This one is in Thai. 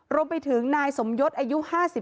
รวมไปถึงนายสมยศอายุ๕๓